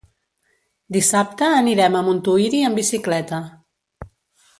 Dissabte anirem a Montuïri amb bicicleta.